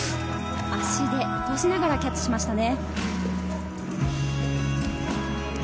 足で落としながらキャッチしましたね。